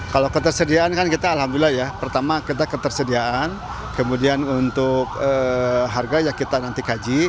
kalau ketersediaan kan kita alhamdulillah ya pertama kita ketersediaan kemudian untuk harga ya kita nanti kaji